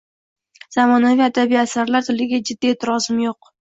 Zamonaviy adabiy asarlar tiliga jiddiy e’tirozim yo‘q.